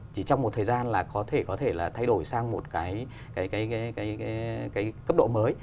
chỉ trong một thời gian là có thể thay đổi sang một cái cấp độ mới